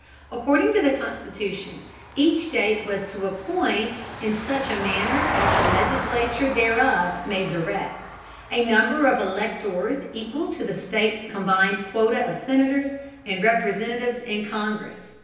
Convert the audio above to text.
According to the Constitution, each state was to appoint, "in such manner as the legislature thereof may direct," a number of electors equal to the state's combined quota of senators and representatives in Congress.